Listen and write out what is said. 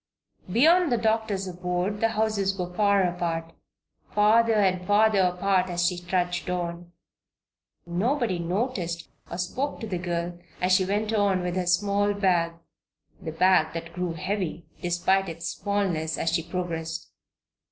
Beyond the doctor's abode the houses were far apart farther and farther apart as she trudged on. Nobody noticed or spoke to the girl as she went on with her small bag the bag that grew heavy, despite its smallness, as she progressed.